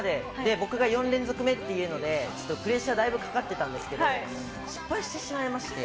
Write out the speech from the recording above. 僕が４連続目というので、ちょっとプレッシャー、だいぶかかってたんですけど、失敗してしまいまして。